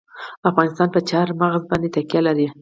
افغانستان په چار مغز باندې تکیه لري.